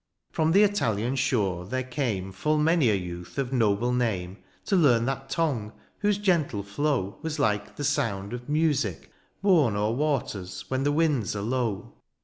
From the Italian shore there came. Full many a youth of noble name. To learn that tongue, whose gentle flow Was like the sound of music borne 1 6 DIONYSIUS 0*er waters when the winds are low.